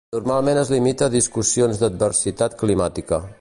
Normalment es limita a discussions d'adversitat climàtica.